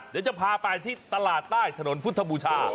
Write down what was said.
เดี๋ยวจะพาไปที่ตลาดใต้ถนนพุทธบูชา